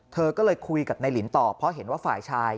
เธอก็เลยคุยกับนายลินต่อเพราะเห็นว่าฝ่ายชาย